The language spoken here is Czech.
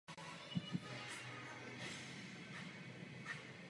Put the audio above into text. Je to obrovské číslo.